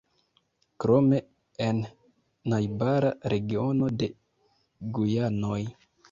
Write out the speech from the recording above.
Krome en najbara regiono de Gujanoj.